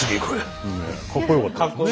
かっこよかったですね。